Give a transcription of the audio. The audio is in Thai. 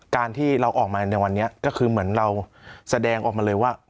การที่เราออกมาในวันนี้ก็คือเหมือนเราแสดงออกมาเลยว่า